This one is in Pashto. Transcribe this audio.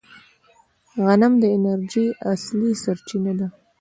غنم د انرژۍ اصلي سرچینه ده.